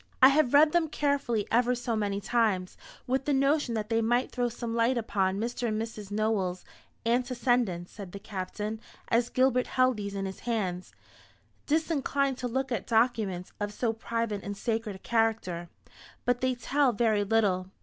"I have read them carefully ever so many times, with the notion that they might throw some light upon Mr. and Mrs. Nowell's antecedents," said the Captain, as Gilbert held these in his hands, disinclined to look at documents of so private and sacred a character; "but they tell very little.